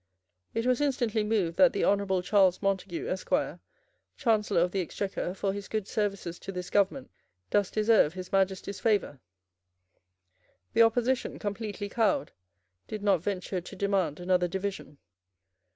It was instantly moved that the Honourable Charles Montague, Esquire, Chancellor of the Exchequer, for his good services to this Government does deserve His Majesty's favour. The Opposition, completely cowed, did not venture to demand another division.